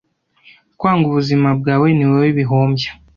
kwanga ubuzima bwawe niwowe bihombya